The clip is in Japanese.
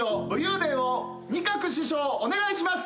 お願いします。